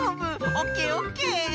オッケーオッケー！